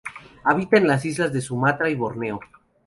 Habita en las islas de Sumatra y Borneo.